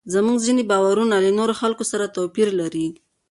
زموږ ځینې باورونه له نورو خلکو سره توپیر لري.